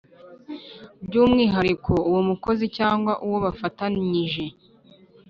By umwihariko uwo mukozi cyangwa uwo bafatanyije